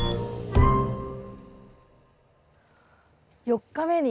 ４日目に。